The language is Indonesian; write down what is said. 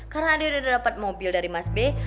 karena dia udah dapat mobil dari mas be